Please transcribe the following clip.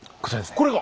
これが！